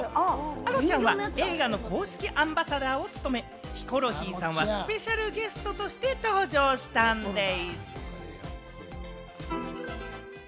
あのちゃんは映画の公式アンバサダーを務め、ヒコロヒーさんはスペシャルゲストとして登場したんでぃす。